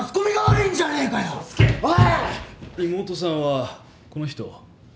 妹さんはこの人？